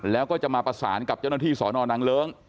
แล้วก็จะมาประสานกับเจ้าหน้าที่สอนอนางเลิ้ง